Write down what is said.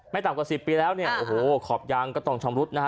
ต่ำกว่าสิบปีแล้วเนี่ยโอ้โหขอบยางก็ต้องชำรุดนะฮะ